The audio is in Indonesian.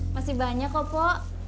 masih banyak opo